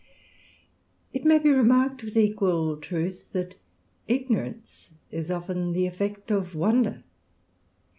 It may be remarked with equal truth, that ignorance is often the effect of wonder.